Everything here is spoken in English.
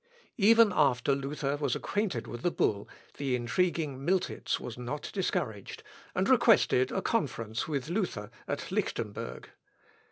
Even after Luther was acquainted with the bull, the intriguing Miltitz was not discouraged, and requested a conference with Luther at Lichtemberg.